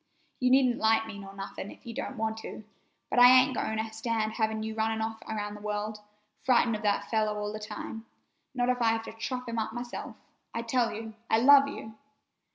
You needn't like me nor anything if you don't want to, but I ain't going to stand having you off running around the world, frightened of that fellow all the time, not if I have to chop him up myself. I tell you, I love you!"